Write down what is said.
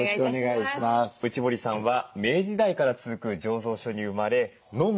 内堀さんは明治時代から続く醸造所に生まれのむ